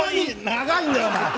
長いんだよ！